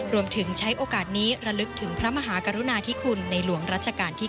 ใช้โอกาสนี้ระลึกถึงพระมหากรุณาธิคุณในหลวงรัชกาลที่๙